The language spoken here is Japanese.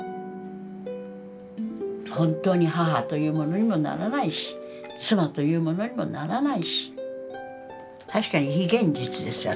本当に母というものにもならないし妻というものにもならないし確かに非現実ですよ